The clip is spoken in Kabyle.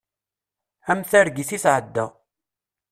Am targit i tɛedda.